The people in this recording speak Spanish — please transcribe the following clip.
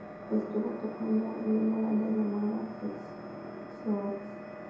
Estuvo tocando en una banda llamada "Xerox".